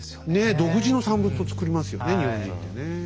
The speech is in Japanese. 独自の産物をつくりますよね日本人ってね。